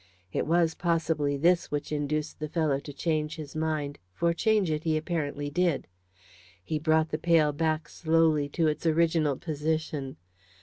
It was, possibly, this which induced the fellow to change his mind for change it he apparently did. He brought the pail back slowly to its original position.